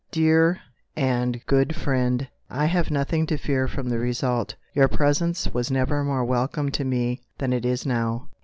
Dear and good friend, I have nothing to fear from the result; your presence was never more welcome to me than it is now!"